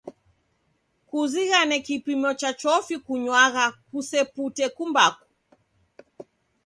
Kuzighane kipimo cha chofi kunywagha, kusepute kumbaku.